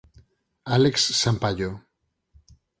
Alex Sampayo